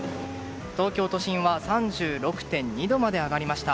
東京都心は３６．２度まで上がりました。